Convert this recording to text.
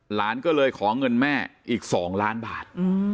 หลานก็เลยขอเงินแม่อีก๒ล้านบาท